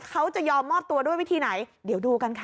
เขาจะยอมมอบตัวด้วยวิธีไหนเดี๋ยวดูกันค่ะ